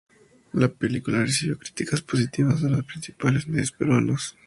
La película recibió críticas positivas de los principales medios peruanos e internacionales.